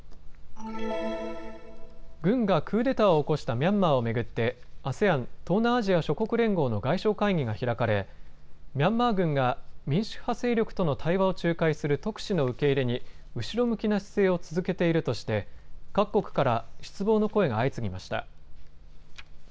軍がクーデターを起こしたミャンマーを巡って、ＡＳＥＡＮ・東南アジア諸国連合の外相会議が開かれミャンマー軍が民主派勢力との対話を仲介する特使の受け入れに後ろ向きな姿勢を続けているとして各国から失望の声が相次ぎました。